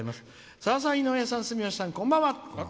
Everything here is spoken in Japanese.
「さださん、井上さん、住吉さんこんばんは。